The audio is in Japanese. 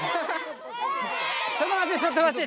ちょっと待ってちょっと待って！